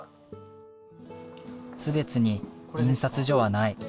津別に印刷所はない。